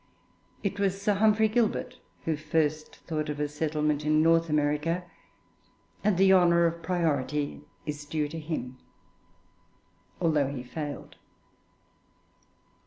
It was Sir Humphrey Gilbert who first thought of a settlement in North America, and the honour of priority is due to him, although he failed.